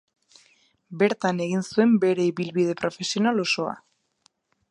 Bertan egin zuen bere ibilbide profesional osoa.